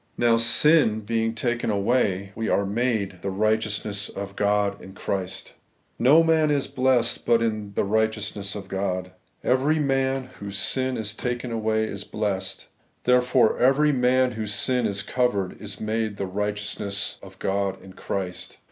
Now, sin being taken away, we are made the righteousness of God in Christ. No roan is blessed but in the righteousness of God : every man whose sin is taken away is blessed ; therefore every man whose sin is covered is made the righteousness of God in Christ.